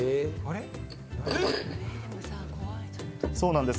そうなんです。